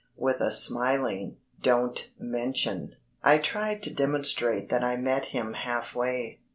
With a smiling "Don't mention," I tried to demonstrate that I met him half way.